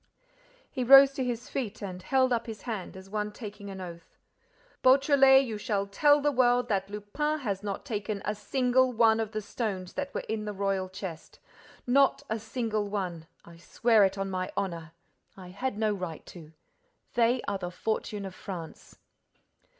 He rose to his feet and held up his hand as one taking an oath: "Beautrelet, you shall tell the world that Lupin has not taken a single one of the stones that were in the royal chest, not a single one, I swear it on my honor! I had no right to. They are the fortune of France."